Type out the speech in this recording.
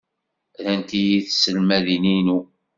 Rant-iyi tselmadin-inu.